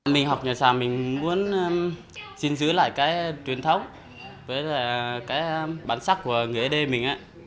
mình học nhà sản mình muốn giữ lại cái truyền thống với cái bản sắc của nghề đê mình á